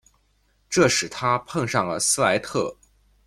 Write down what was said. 这使他碰遇上了斯莱特。